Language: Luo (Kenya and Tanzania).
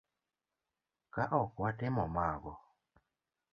Ka ok watimo mago